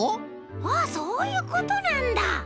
ああそういうことなんだ。